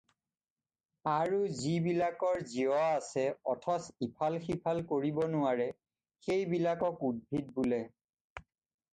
আৰু যিবিলাকৰ জীৱ আছে অথচ ইফাল সিফাল কৰিব নোৱাৰে সেই বিলাকক উদ্ভিদ বোলে।